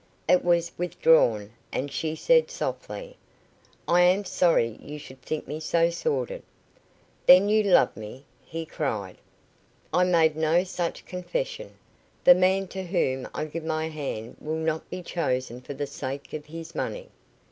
It was withdrawn, and she said softly: "I am sorry you should think me so sordid." "Then you love me," he cried. "I made no such confession. The man to whom I give my hand will not be chosen for the sake of his money."